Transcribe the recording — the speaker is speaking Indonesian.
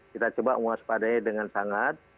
kita coba menguas padanya dengan sangat